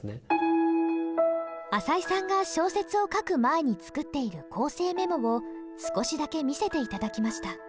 朝井さんが小説を書く前に作っている構成メモを少しだけ見せて頂きました。